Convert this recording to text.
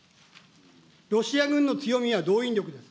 ロシア軍の強みは動員力です。